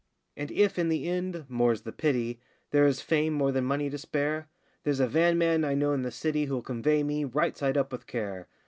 And if, in the end more's the pity There is fame more than money to spare There's a van man I know in the city Who'll convey me, right side up with care.